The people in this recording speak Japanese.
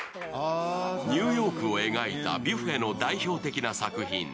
ニューヨークを描いたビュフェの代表的な作品。